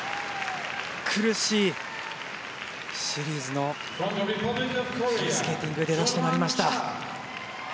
苦しい、シリーズのスケーティングの出だしとなりました。